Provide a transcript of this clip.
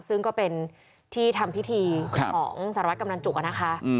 ซึ่งก็เป็นที่ทำพิธีของสารวัตรกำนันจุกนะคะ